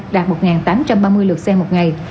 đạt một tám trăm ba mươi lượt xe một ngày